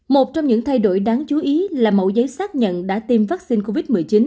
một trong những thay đổi đáng chú ý là mẫu giấy xác nhận đã tiêm vaccine covid một mươi chín